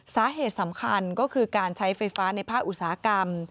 สาเหตุสำคัญก็คือการใช้ไฟฟ้าในภาคอุตสาหกรรม